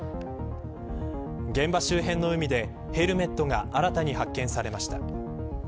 現場周辺の海でヘルメットが新たに発見されました。